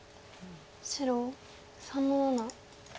白３の七。